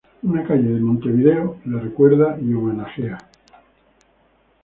Una calle en Montevideo la recuerda y homenajea.